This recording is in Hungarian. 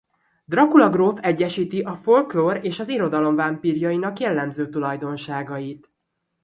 Drakula gróf egyesíti a folklór és az irodalom vámpírjainak jellemző tulajdonságait.